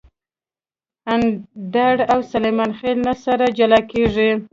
اندړ او سلیمان خېل نه سره جلاکیږي